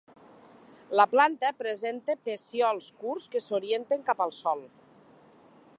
La planta presenta pecíols curts que s'orienten cap al sòl.